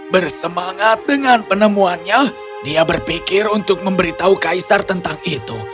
bersemangat dengan penemuannya dia berpikir untuk memberitahu kaisar tentang itu